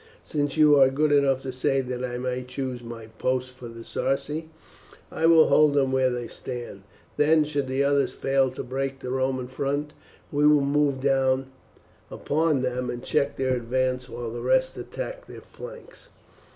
Since you are good enough to say that I may choose my post for the Sarci, I will hold them where they stand; then, should the others fail to break the Roman front, we will move down upon them and check their advance while the rest attack their flanks."